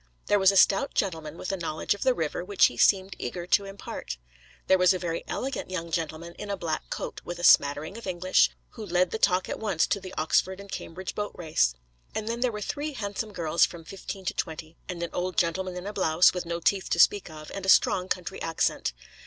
There was a stout gentleman with a knowledge of the river, which he seemed eager to impart. There was a very elegant young gentleman in a black coat, with a smattering of English, who led the talk at once to the Oxford and Cambridge Boat Race. And then there were three handsome girls from fifteen to twenty; and an old gentleman in a blouse, with no teeth to speak of, and a strong country accent.